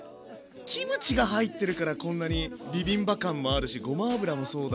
⁉キムチが入ってるからこんなにビビンバ感もあるしごま油もそうだ。